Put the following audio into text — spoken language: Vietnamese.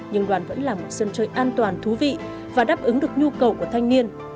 nhưng đoàn vẫn là một sân chơi an toàn thú vị và đáp ứng được nhu cầu của thanh niên